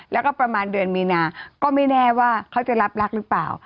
แล้วก็ประมาณเดือนมีนาก็ไม่แน่ว่าเขาจะรับรักหรือเปล่า